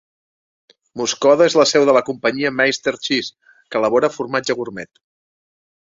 Muscoda és la seu de la companyia Meister Cheese, que elabora formatge gurmet.